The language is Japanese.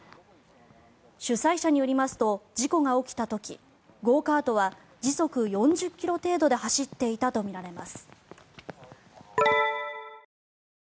主催者によりますと事故が起きた時ゴーカートは時速４０ｋｍ程度で走っていたとみられます。